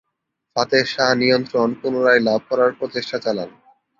Fatih Shah নিয়ন্ত্রণ পুনরায় লাভ করার প্রচেষ্টা চালান।